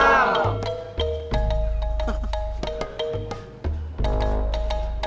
asal gak mungkin ya